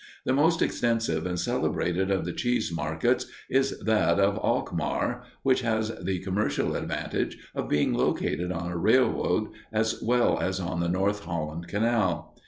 The most extensive and celebrated of the cheese markets is that of Alkmaar, which has the commercial advantage of being located on a railroad as well as on the North Holland Canal.